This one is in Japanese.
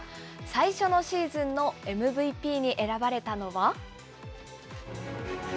最初のシーズンのＭＶＰに選ばれたのは？